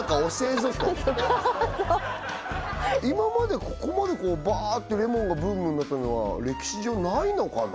そう今までここまでバってレモンがブームになったのは歴史上ないのかな